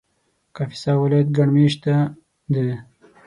کاپیسا ولایت ګڼ مېشته دی